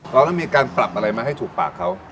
เราต้องมีการปรับอะไรมาให้ถูกปากเขา